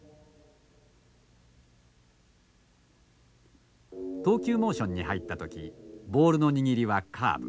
投球モーションに入った時ボールの握りはカーブ。